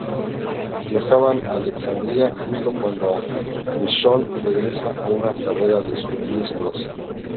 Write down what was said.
Viajan a Alexandría, justo cuando Michonne regresa de una carrera de suministros.